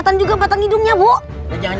kamu juga belum makan kan